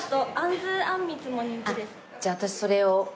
じゃあ私それを。